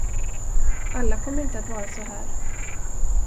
Alla kommer inte att vara så här.